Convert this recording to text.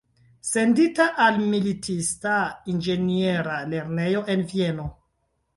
Sendita al militista inĝeniera lernejo en Vieno.